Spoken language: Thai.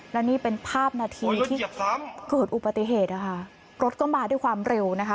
และนี่เป็นภาพนาทีที่เกิดอุบัติเหตุนะคะรถก็มาด้วยความเร็วนะคะ